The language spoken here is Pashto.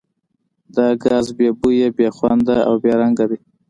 دا ګاز بې بویه، بې خونده او بې رنګه دی.